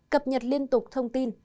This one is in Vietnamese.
cập nhật liên tục thông tin